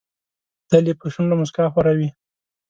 تل یې پر شونډو موسکا خوره وي.